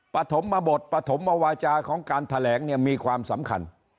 ปฐมบทปฐมวาจาของการแถลงเนี่ยมีความสำคัญ